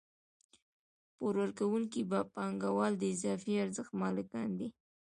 پور ورکوونکي پانګوال د اضافي ارزښت مالکان دي